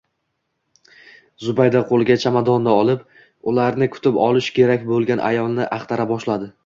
Zubayda qo`liga chamadonni olib, ularni kutib olishi kerak bo`lgan ayolni axtara boshladi